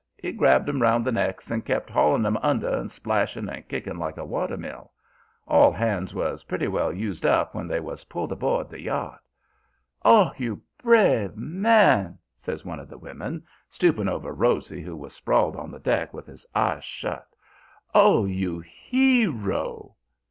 He grabbed 'em round the necks and kept hauling 'em under and splashing and kicking like a water mill. All hands was pretty well used up when they was pulled aboard the yacht. "'Oh, you brave man!' says one of the women, stooping over Rosy, who was sprawled on the deck with his eyes shut, 'Oh, you HERO!'